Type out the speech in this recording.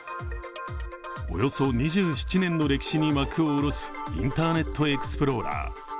およそ２７年の歴史に幕を下ろすインターネットエクスプローラー。